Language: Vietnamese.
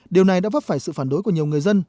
điều này đã vấp phải sự phản đối của nhiều người dân